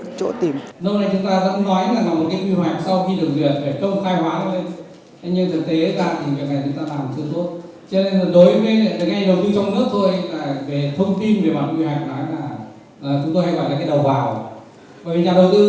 lâu nay chúng ta vẫn nói là nó là một cái nguy hoạch sau khi được duyệt